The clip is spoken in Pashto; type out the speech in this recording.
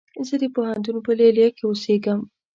زه د پوهنتون په ليليه کې اوسيږم